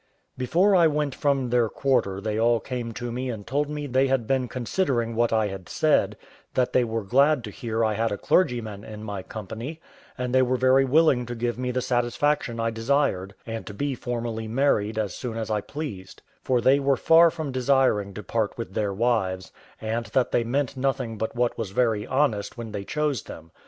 Before I went from their quarter they all came to me and told me they had been considering what I had said; that they were glad to hear I had a clergyman in my company, and they were very willing to give me the satisfaction I desired, and to be formally married as soon as I pleased; for they were far from desiring to part with their wives, and that they meant nothing but what was very honest when they chose them.